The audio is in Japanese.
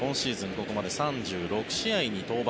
ここまで３６試合に登板。